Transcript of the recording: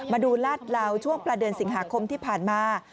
มาดูลาดเหลาช่วงประเดือนสิงหาคมที่ผ่านมา